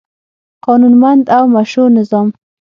قانونمند او مشروع نظام